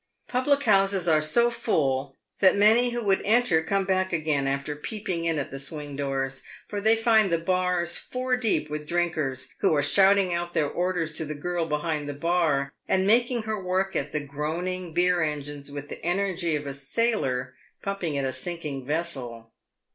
Public houses are so full, that many who would enter come back again after peeping in at the swing doors, for they find the " bars" four deep with drinkers, who are shouting out their orders to the girl behind the bar, and making her work at the groaning beer engines with the energy of a sailor pumping at a sinking vessel.